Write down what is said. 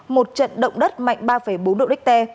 một trận động đất mạnh ba bốn độ đích te